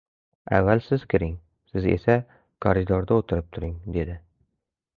— Avval siz kiring. Siz esa koridorda o‘tirib turing, — dedi.